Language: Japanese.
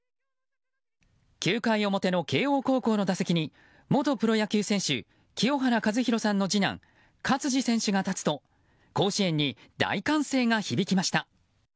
９回表の慶應高校の打席に元プロ野球選手、清原和博さんの次男・勝児選手が立つと甲子園に大歓声が響きました。